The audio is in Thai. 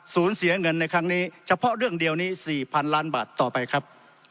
เสียเงินในครั้งนี้เฉพาะเรื่องเดียวนี้๔๐๐๐ล้านบาทต่อไปครับ